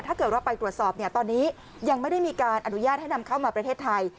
ถ้าเกิดว่าไปตรวจสอบเนี่ยตอนนี้ยังไม่ได้มีการอนุญาตให้นำเข้ามาประเทศไทย